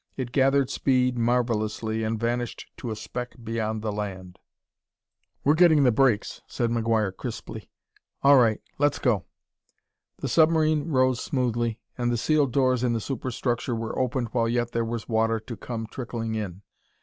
It gathered speed marvelously and vanished to a speck beyond the land. "We're getting the breaks," said McGuire crisply. "All right let's go!" The submarine rose smoothly, and the sealed doors in the superstructure were opened while yet there was water to come trickling in.